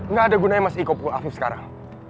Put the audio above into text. nggak ada gunanya mas iko pul afif sekarang